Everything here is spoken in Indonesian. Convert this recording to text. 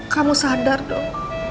kamu sadar dong